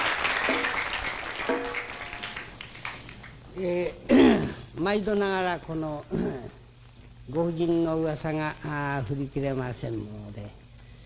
え毎度ながらこのご婦人のうわさが振り切れませんもので。